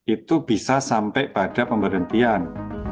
itu bisa sampai pada pemberhentian